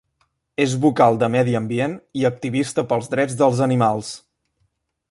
És vocal de medi ambient i activista pels drets dels animals.